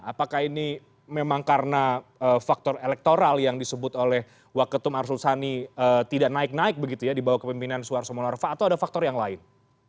apakah ini memang karena faktor elektoral yang disebut oleh waketum arsul sani tidak naik naik begitu ya di bawah kepemimpinan suarso monarva atau ada faktor yang lain